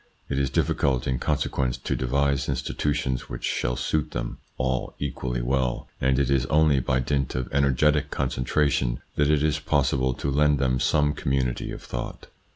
It is difficult in con sequence to devise institutions which shall suit them all equally well, and it is only by dint of energetic concentration that it is possible to lend them some community of thought.